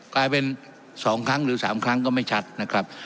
กลายเป็น๒ครั้งหรือ๓ครั้งก็ไม่ชัดนะครับ